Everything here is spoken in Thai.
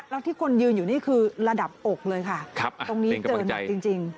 แล้วที่คนยืนอยู่นี่คือระดับอกเลยค่ะตรงนี้เจอหนักจริง